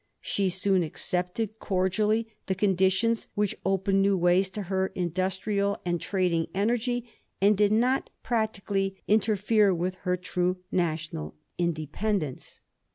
She soon accepted cordially the con ditions which opened new ways to her industrial and trading energy, and did not practically interfere with her true national independence.